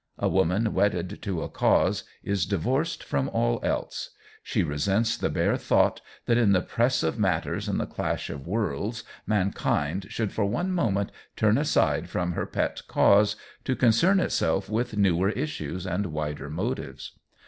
A woman wedded to a cause is divorced from all else. She resents the bare thought that in the press of matters and the clash of worlds, mankind should for one moment turn aside from her pet cause to concern itself with newer issues and wider motives.